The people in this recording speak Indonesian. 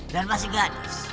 dan masih gadis